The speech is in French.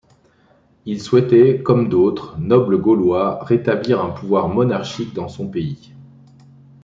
Il souhaitait, comme d'autres nobles gaulois, rétablir un pouvoir monarchique dans son pays.